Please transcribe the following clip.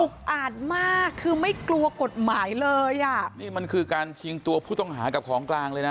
อาจมากคือไม่กลัวกฎหมายเลยอ่ะนี่มันคือการชิงตัวผู้ต้องหากับของกลางเลยนะ